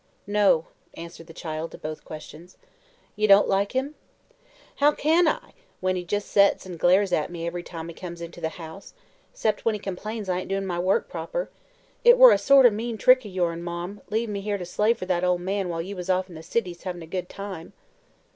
"No," answered the child to both questions. "You don't like him?" "How can I, when he jes' sets an' glares at me ev'ry time he comes into the house 'cept when he complains I ain't doin' my work proper? It were a sort o' mean trick o' yours, Marm, leavin' me here to slave fer that ol' man while you was off in the cities, havin' a good time."